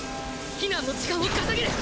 避難の時間を稼げる！